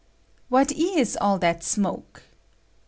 What is all that smoke